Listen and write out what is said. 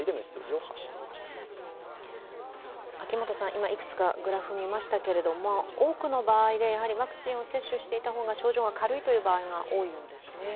今、いくつかグラフを見ましたけど多くの場合、ワクチンを接種していた方が症状が軽いという場合が多いようですね。